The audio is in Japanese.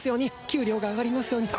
給料が上がりますように。